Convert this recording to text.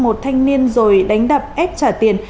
một thanh niên rồi đánh đập ép trả tiền